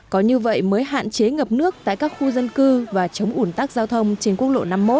có như vậy mới hạn chế ngập nước tại các khu dân cư và chống ủn tắc giao thông trên quốc lộ năm mươi một